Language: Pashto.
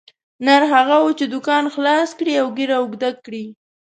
نر هغه وو چې دوکان خلاص کړي او ږیره اوږده کړي.